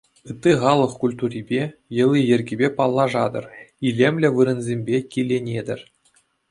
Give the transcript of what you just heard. Ытти халӑх культурипе, йӑли-йӗркипе паллашатӑр, илемлӗ вырӑнсемпе киленетӗр.